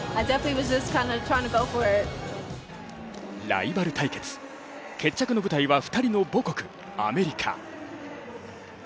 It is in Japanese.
ライバル対決、決着の舞台は２人の母国アメリカ。